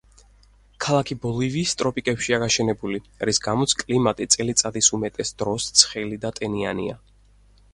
ქალაქი ბოლივიის ტროპიკებშია გაშენებული, რის გამოც კლიმატი წელიწადის უმეტეს დროს ცხელი და ტენიანია.